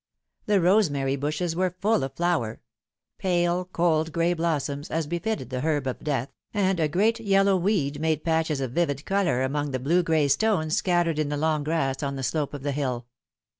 The rosemary bushes were full of flower : pale, cold gray blossoms, as befitted the herb of death, and a great yellow weed made patches of vivid colour among the blue gray stones scattered in the long grass on the slope of the hill.